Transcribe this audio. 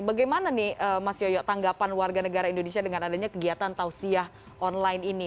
bagaimana nih mas yoyo tanggapan warga negara indonesia dengan adanya kegiatan tausiah online ini